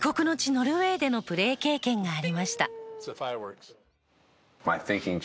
ノルウェーでのプレー経験がありました。